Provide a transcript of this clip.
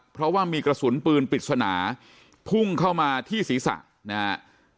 เพราะว่ามีกระสุนปืนปริศนาพุ่งเข้ามาที่ศีรษะนะฮะ